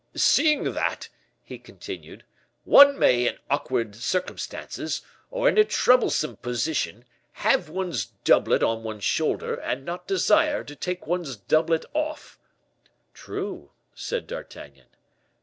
"'Seeing that,' he continued, 'one may, in awkward circumstances, or in a troublesome position, have one's doublet on one's shoulder, and not desire to take one's doublet off '" "True," said D'Artagnan.